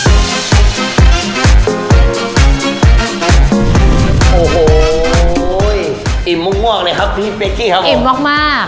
โอ้โหอิ่มม่วงเลยครับพี่เป๊กกี้ครับอิ่มมากมาก